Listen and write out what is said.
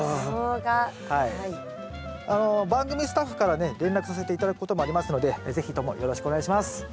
番組スタッフからね連絡させて頂くこともありますので是非ともよろしくお願いします。